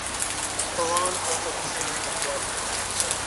Quran also contains the flood narrative.